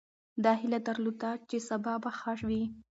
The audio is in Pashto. ده هیله درلوده چې سبا به ښه وي.